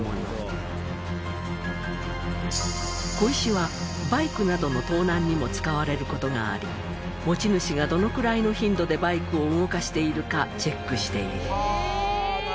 小石はバイクなどの盗難などにも使われる事があり持ち主がどのくらいの頻度でバイクを動かしているかチェックしている。